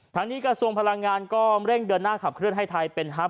ทางนี้กระทรวงพลังงานก็เร่งเดินหน้าขับเคลื่อนให้ไทยเป็นฮับ